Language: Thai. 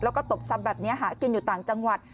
แล้วก็ตบซ้ำแบบนี้หากินอยู่ต่างจังหวัด